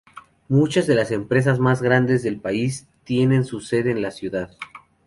Muchas de las empresas más grandes del país tienen su sede en la ciudad.